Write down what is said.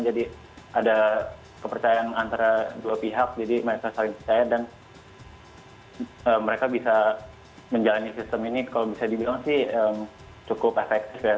ada kepercayaan antara dua pihak jadi mereka saling percaya dan mereka bisa menjalani sistem ini kalau bisa dibilang sih cukup efektif ya